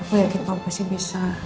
aku yakin kamu sih bisa